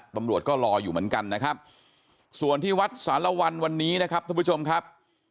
ตำรวจก็รออยู่เหมือนกันนะครับส่วนที่วัดสารวันวันนี้นะครับท่านผู้ชมครับ